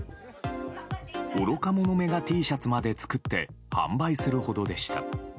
愚か者めがＴシャツまで作って販売するほどでした。